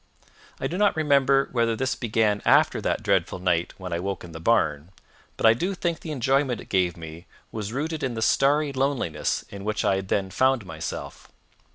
I do not remember whether this began after that dreadful night when I woke in the barn, but I do think the enjoyment it gave me was rooted in the starry loneliness in which I had then found myself.